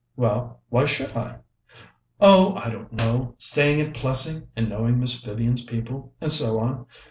"Well, why should I?" "Oh, I don't know staying at Plessing, and knowing Miss Vivian's people, and so on.